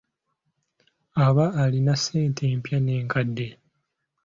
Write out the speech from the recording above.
Aba alina ssente empya n'enkadde.